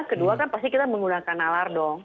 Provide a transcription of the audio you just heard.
kedua kan pasti kita menggunakan nalar dong